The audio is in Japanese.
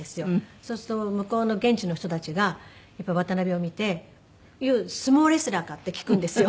そうすると向こうの現地の人たちがやっぱ渡辺を見て「ユー相撲レスラーか？」って聞くんですよ。